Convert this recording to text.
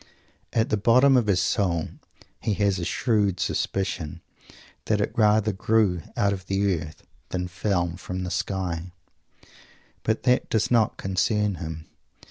At the bottom of his soul he has a shrewd suspicion that it rather grew out of the earth than fell from the sky, but that does not concern him.